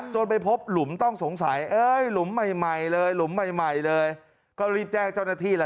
จนไปพบหลุมต้องสงสัยหลุมใหม่เลยหลุมใหม่เลยก็รีบแจ้งเจ้าหน้าที่แล้ว